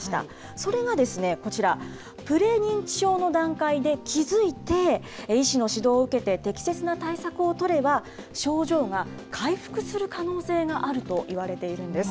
それが、こちら、プレ認知症の段階で気付いて、医師の指導を受けて適切な対策を取れば、症状が回復する可能性があるといわれているんです。